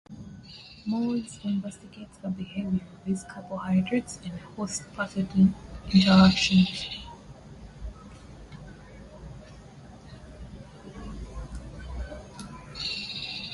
Moores investigates the behaviour of these carbohydrates in host–pathogen interactions.